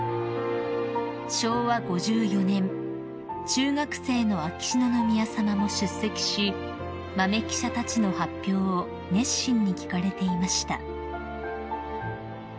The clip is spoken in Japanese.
［中学生の秋篠宮さまも出席し豆記者たちの発表を熱心に聞かれていました］